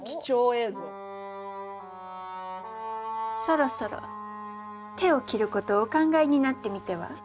そろそろ手を切ることをお考えになってみては？